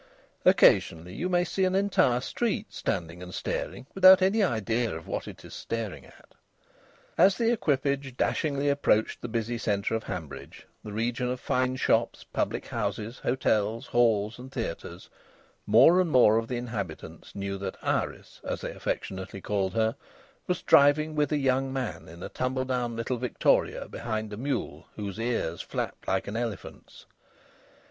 Occasionally you may see an entire street standing and staring without any idea of what it is staring at. As the equipage dashingly approached the busy centre of Hanbridge, the region of fine shops, public houses, hotels, halls, and theatres, more and more of the inhabitants knew that Iris (as they affectionately called her) was driving with a young man in a tumble down little victoria behind a mule whose ears flapped like an elephant's.